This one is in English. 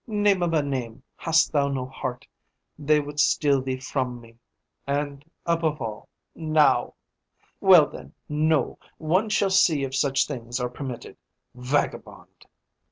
Name of a name, hast thou no heart? They would steal thee from me and above all, now! Well then, no! One shall see if such things are permitted! Vagabond!"